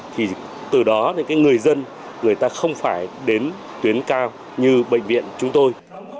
thì từ đó thì cái người dân người ta không phải đến tuyến cao như bệnh viện chúng tôi